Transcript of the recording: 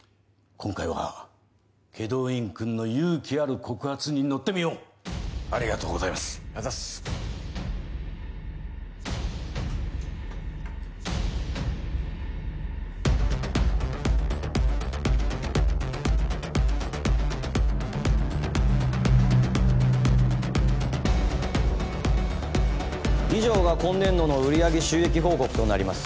今回は祁答院くんの勇気ある告発に乗ってみようありがとうございますあざっす以上が今年度の売上収益報告となります